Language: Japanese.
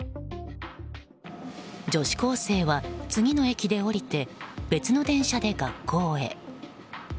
女子高生は次の駅で降りて別の電車で学校へ。